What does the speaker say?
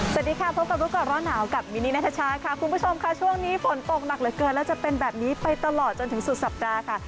สวัสดีค่ะพบกับรู้ก่อนร้อนหนาวกับมินนี่นัทชาค่ะคุณผู้ชมค่ะช่วงนี้ฝนตกหนักเหลือเกินและจะเป็นแบบนี้ไปตลอดจนถึงสุดสัปดาห์ค่ะ